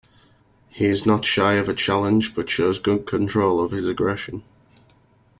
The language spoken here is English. He is not shy of a challenge but shows good control of his aggression.